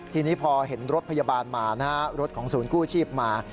ทีนี้พอเห็นรถพยาบาลมานะฮะรถของศูนย์กู้ชีพมา